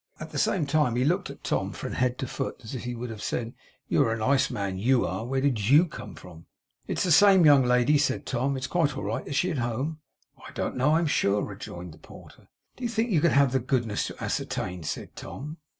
At the same time he looked at Tom from head to foot, as if he would have said, 'You are a nice man, YOU are; where did YOU come from?' 'It's the same young lady,' said Tom. 'It's quite right. Is she at home?' 'I don't know, I'm sure,' rejoined the porter. 'Do you think you could have the goodness to ascertain?' said Tom.